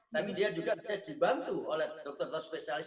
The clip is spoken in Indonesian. tapi dia juga dibantu oleh dokter dokter spesialis